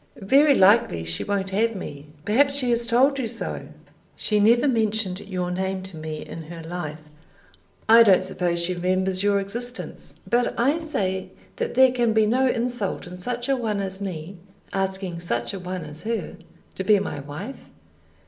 "Very likely she won't have me. Perhaps she has told you so." "She never mentioned your name to me in her life. I don't suppose she remembers your existence." "But I say that there can be no insult in such a one as me asking such a one as her to be my wife.